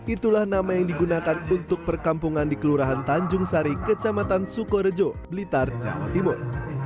itulah nama yang digunakan untuk perkampungan di kelurahan tanjung sari kecamatan sukorejo blitar jawa timur